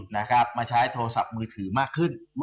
นะครับมาใช้โทรศัพท์มือถือมากขึ้น